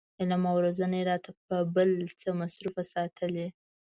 علم او روزنه یې راته په بل څه مصروف ساتلي.